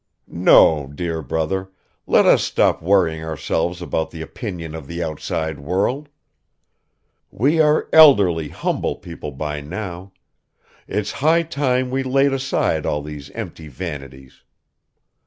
No, dear brother, let us stop worrying ourselves about the opinion of the outside world; we are elderly humble people by now; it's high time we laid aside all these empty vanities.